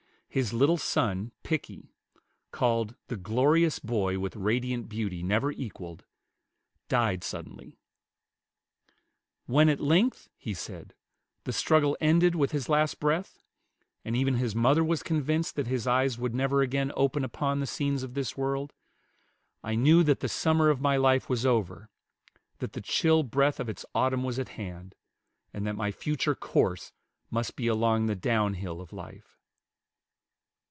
His little son Pickie, called "the glorious boy with radiant beauty never equalled," died suddenly. "When at length," he said, "the struggle ended with his last breath, and even his mother was convinced that his eyes would never again open upon the scenes of this world, I knew that the summer of my life was over; that the chill breath of its autumn was at hand; and that my future course must be along the down hill of life."